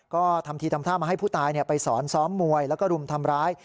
ก็ทำทีทำท่ามาให้ผู้ตายไปสอนซ้อมมวยแล้วก็รุมทำร้าย